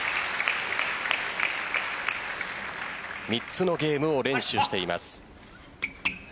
３つのゲームを連取しています。